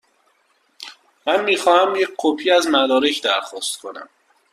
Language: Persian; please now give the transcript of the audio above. من می خواهم یک کپی از مدرک درخواست کنم.